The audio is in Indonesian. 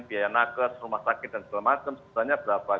biaya nakas rumah sakit dan segala macam sebenarnya berapa